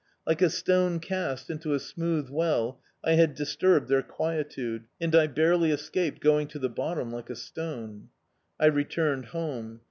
Like a stone cast into a smooth well, I had disturbed their quietude, and I barely escaped going to the bottom like a stone. I returned home.